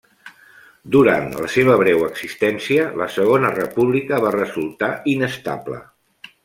Durant la seva breu existència, la Segona República va resultar inestable.